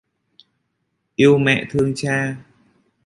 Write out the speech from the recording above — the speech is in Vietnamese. Yêu mẹ thương cha